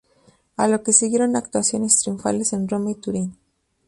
A lo que siguieron actuaciones triunfales en Roma y Turín.